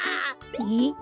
えっ？